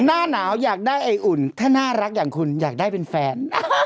หน้าหนาวอยากได้ไออุ่นถ้าน่ารักอย่างคุณอยากได้เป็นแฟน